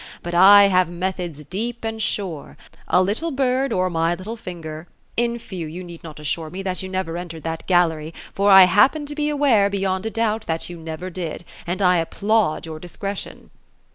But I have methods deep and sure, — a little bird, or my little finger, — in few. you need not assure me, that you never entered that gallery ; for I happen to he aware, beyond a doubt that you never did. And I applaud your discretion."